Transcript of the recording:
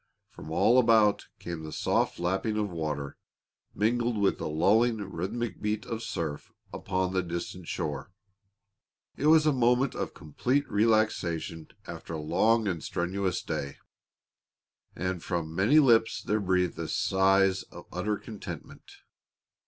From all about came the soft lapping of water, mingled with the lulling, rhythmic beat of surf upon the distant shore. It was a moment of complete relaxation after a long and strenuous day, and from many lips there breathed sighs of utter contentment.